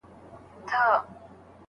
املا د شخصیت په وده کي رول لري.